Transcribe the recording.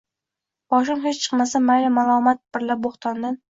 Boshim hech chiqmasa mayli malomat birla bo’htondin